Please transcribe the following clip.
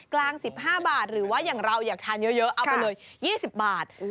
กลาง๑๕บาทหรือว่าอย่างเราอยากทานเยอะเอาไปเลย๒๐บาท